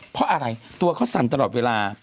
เพราะอะไรตัวเขาสั่นตลอดเวลา